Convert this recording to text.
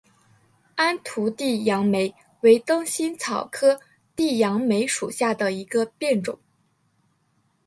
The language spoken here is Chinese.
安图地杨梅为灯心草科地杨梅属下的一个变种。